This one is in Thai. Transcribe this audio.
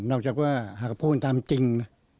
ให้จับว่าหากพูดตามจริง